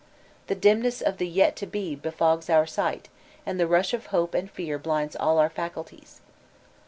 The dimness of the "yet to be" befogs our sight, and the rush of hope and fear blinds all our faculties.